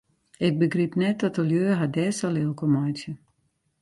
Ik begryp net dat de lju har dêr sa lilk om meitsje.